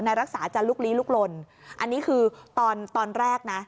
รักษาจะลุกลี้ลุกลนอันนี้คือตอนตอนแรกนะ